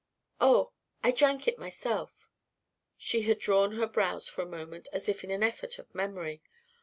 "Oh I drank it myself." She had drawn her brows for a moment as if in an effort of memory.